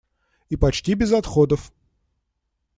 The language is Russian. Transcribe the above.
И почти без отходов.